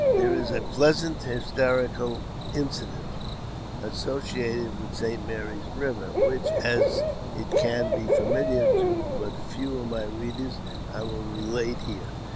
There is a pleasant historical incident associated with St. Mary's Eiver, which, as it can be familiar to but few of my readers, I will relate here.